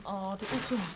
oh di ujung